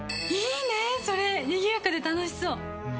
いいね、それ、にぎやかで楽しそう。